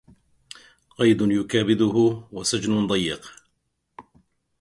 قيد يكابده وسجن ضيق